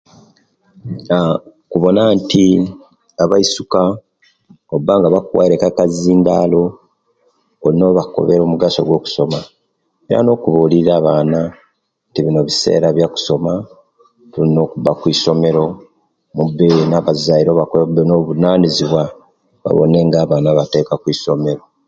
Aaa kubona nti abaisuka oobanga bakuwaire ku akazindalo oina obakobera omugaso gwo kusoma era nokubulirira abaana nti bino bisera ebiyokusoma tulina okuba okwisomero obeyo na bazaire obakobe babe nobuvunayizibwa babone nga abaana baba Teka okwisomero